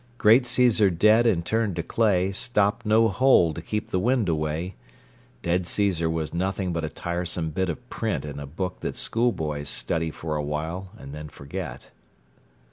Great Caesar dead and turned to clay stopped no hole to keep the wind away. Dead Caesar was nothing but a tiresome bit of print in a book that schoolboys study for awhile and then forget.